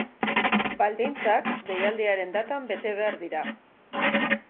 Baldintzak deialdiaren datan bete behar dira.